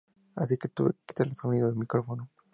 Así que tuve que quitar el sonido de un micrófono.